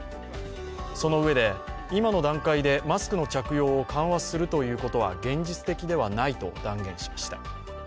そのうえで、今の段階でマスクの着用を緩和するということは現実的ではないと断言しました。